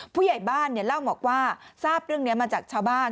ผู้ใหญ่บ้านเล่าบอกว่าทราบเรื่องนี้มาจากชาวบ้าน